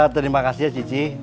terima kasih ya cici